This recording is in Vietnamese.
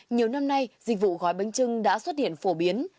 nhiều năm nay dịch vụ gói bánh chưng đã xuất hiện